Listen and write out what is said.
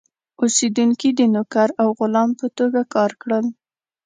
اوسېدونکي د نوکر او غلام په توګه کار کړل.